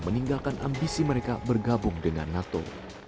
meninggalkan ambisi mereka bergabung dengan nato